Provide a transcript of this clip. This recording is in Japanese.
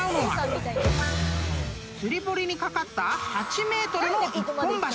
［釣り堀に架かった８ｍの一本橋］